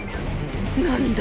何だ？